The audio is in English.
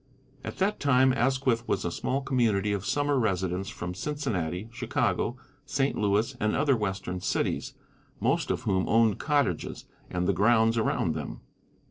At that time Asquith was a small community of summer residents from Cincinnati, Chicago, St. Louis, and other western cities, most of whom owned cottages and the grounds around them.